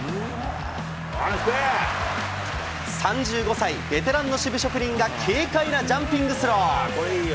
３５歳、ベテランの守備職人が軽快なジャンピングスロー。